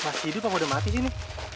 masih hidup apa udah mati di sini